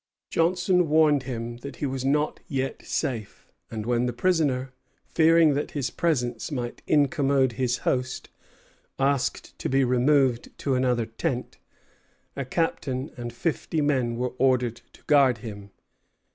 Johnson warned him that he was not yet safe; and when the prisoner, fearing that his presence might incommode his host, asked to be removed to another tent, a captain and fifty men were ordered to guard him.